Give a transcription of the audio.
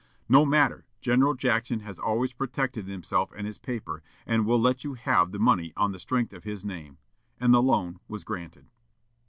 "No matter; General Jackson has always protected himself and his paper, and we'll let you have the money on the strength of his name." And the loan was granted.